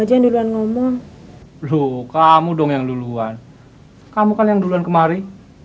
hai juga yang duluan ngomong bluh kamu dong yang duluan kamu kan yang duluan kemari